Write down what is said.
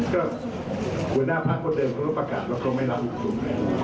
ก็คุณหน้าภักดิ์คนเดิมเขาก็ประกาศแล้วก็ไม่รับอุปกรณ์